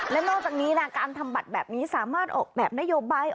และนอกจากนี้นะการทำบัตรแบบนี้สามารถออกแบบนโยบาย